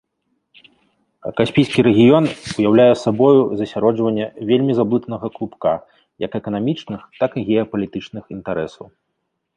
Каспійскі рэгіён уяўляе сабою засяроджванне вельмі заблытанага клубка як эканамічных, так і геапалітычных інтарэсаў.